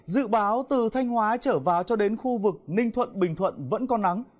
dự báo từ thanh hóa trở vào cho đến khu vực ninh thuận bình thuận vẫn có nắng